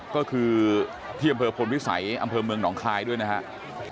ก็คือที่อำเภอพลวิสัยอำเภอเมืองหนองคายด้วยนะครับ